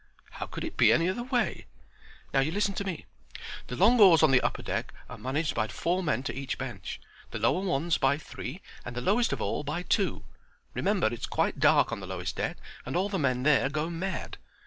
"How could it be any other way? Now you listen to me. The long oars on the upper deck are managed by four men to each bench, the lower ones by three, and the lowest of all by two. Remember it's quite dark on the lowest deck and all the men there go mad.